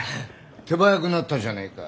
手早くなったじゃねえか。